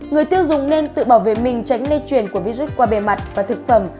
người tiêu dùng nên tự bảo vệ mình tránh lây chuyển của virus qua bề mặt và thực phẩm